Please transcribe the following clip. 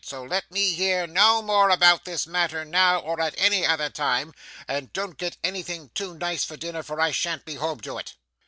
So let me hear no more about this matter now or at any other time, and don't get anything too nice for dinner, for I shan't be home to it.